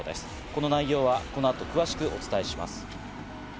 この内容はこのあと詳しくお伝えします。